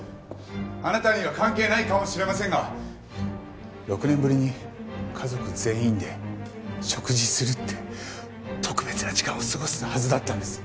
あなたには関係ないかもしれませんが６年ぶりに家族全員で食事するって特別な時間を過ごすはずだったんです。